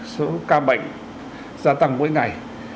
số ca bệnh gia tăng mỗi ngày